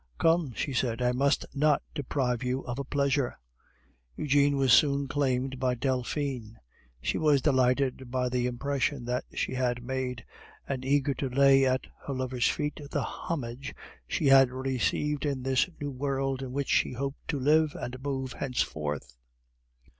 "Come," she said, "I must not deprive you of a pleasure." Eugene was soon claimed by Delphine. She was delighted by the impression that she had made, and eager to lay at her lover's feet the homage she had received in this new world in which she hoped to live and move henceforth.